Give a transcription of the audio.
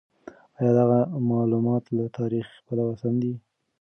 ایا دغه مالومات له تاریخي پلوه سم دي؟